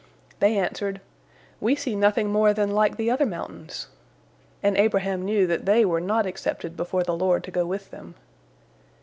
They answered, "We see nothing more than like the other mountains," and Abraham knew that they were not accepted before the Lord to go with them.